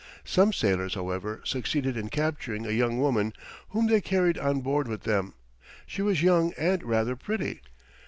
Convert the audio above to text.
Some sailors, however, succeeded in capturing a young woman, whom they carried on board with them. She was young and rather pretty.